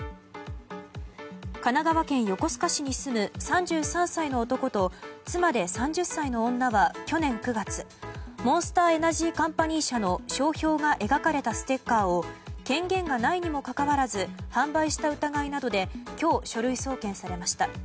神奈川県横須賀市に住む３３歳の男と妻で３０歳の女は去年９月モンスターエナジーカンパニー社の商標が描かれたステッカーを権限がないにもかかわらず販売した疑いなどで今日、書類送検されました。